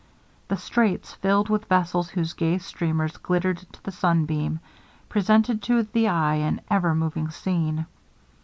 The straits, filled with vessels whose gay streamers glittered to the sun beam, presented to the eye an ever moving scene.